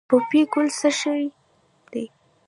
پوپی ګل څه شی دی؟